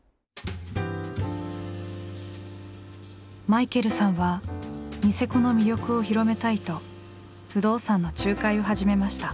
マイケルさんはニセコの魅力を広めたいと不動産の仲介を始めました。